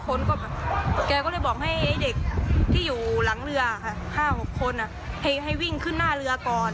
คนก็แบบแกก็เลยบอกให้ไอ้เด็กที่อยู่หลังเรือค่ะห้าหกคนอ่ะให้ให้วิ่งขึ้นหน้าเรือก่อน